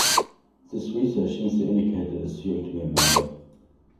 This research seems to indicate that it is too young to be a member.